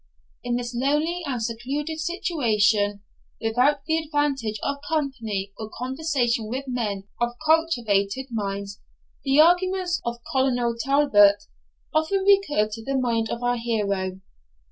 In this lonely and secluded situation, without the advantage of company or conversation with men of cultivated minds, the arguments of Colonel Talbot often recurred to the mind of our hero.